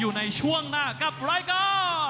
อยู่ในช่วงหน้ากับรายการ